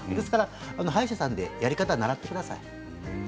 歯医者さんにやり方を習ってください。